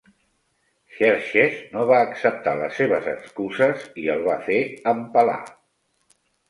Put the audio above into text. Xerxes no va acceptar les seves excuses i el va fer empalar.